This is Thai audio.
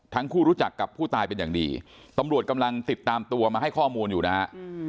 รู้จักกับผู้ตายเป็นอย่างดีตำรวจกำลังติดตามตัวมาให้ข้อมูลอยู่นะฮะ